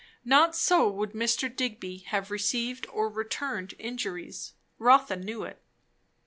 Not so would Mr. Digby have received or returned injuries. Rotha knew it.